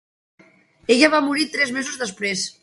Ella va morir tres mesos després.